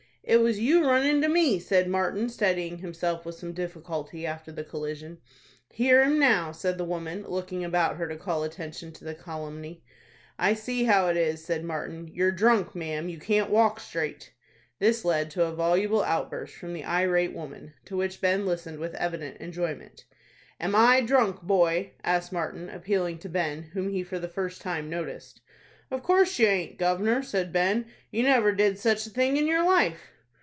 "It was you run into me," said Martin, steadying himself with some difficulty after the collision. "Hear him now," said the woman, looking about her to call attention to the calumny. "I see how it is," said Martin; "you're drunk, ma'am, you can't walk straight." This led to a voluble outburst from the irate woman, to which Ben listened with evident enjoyment. "Am I drunk, boy?" asked Martin, appealing to Ben, whom he for the first time noticed. "Of course you aint, gov'nor," said Ben. "You never did sich a thing in your life."